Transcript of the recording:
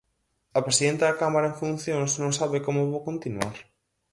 A presidenta da Cámara en funcións non sabe como vou continuar.